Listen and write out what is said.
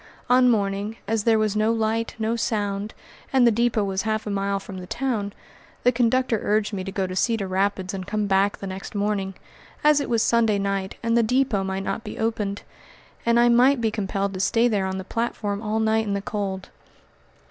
On arriving, as there was no light, no sound, and the depot was half a mile from the town, the conductor urged me to go to Cedar Rapids and come back the next morning, as it was Sunday night and the depot might not be opened, and I might be compelled to stay there on the platform all night in the cold.